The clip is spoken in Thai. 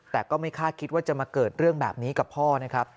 แต่ก็ไม่คาดคิดว่าจะมาเกิดเรื่องแบบนี้กับพ่อนะครับ